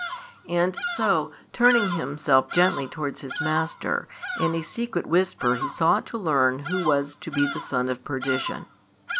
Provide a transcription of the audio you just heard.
And so, turning himself gently towards his Master, in a secret whisper he sought to learn who was to be the son of perdition.